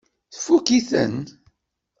Tfukk-iten?